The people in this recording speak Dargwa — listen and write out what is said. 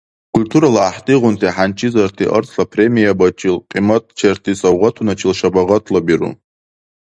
Культурала гӀяхӀтигъунти хӀянчизарти арцла премиябачил, кьиматчерти савгъатуначил шабагъатлабиру.